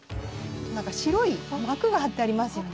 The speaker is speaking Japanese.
白い膜が貼ってありますよね。